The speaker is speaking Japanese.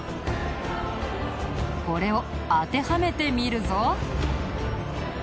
これを当てはめてみるぞ。